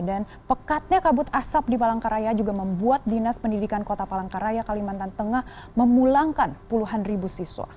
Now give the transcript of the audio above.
dan pekatnya kabut asap di palangkaraya juga membuat dinas pendidikan kota palangkaraya kalimantan tengah memulangkan puluhan ribu siswa